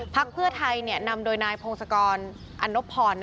เพื่อไทยนำโดยนายพงศกรอันนบพร